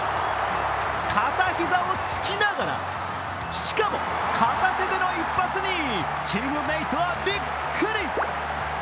片膝をつきながらしかも片手での一発にチームメートはびっくり！